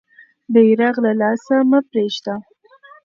بیرغ له لاسه مه پرېږده.